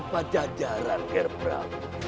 pajajaran ger prabu